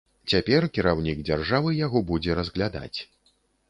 Цяпер кіраўнік дзяржавы яго будзе разглядаць.